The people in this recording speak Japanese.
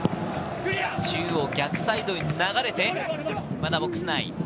中央、逆サイド流れて、まだボックス内。